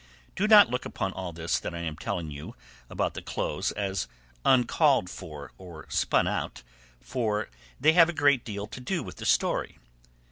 Do not look upon all this that I am telling you about the clothes as uncalled for or spun out, for they have a great deal to do with the story.